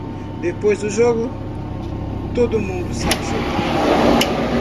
Depois do jogo, todo mundo sabe jogar.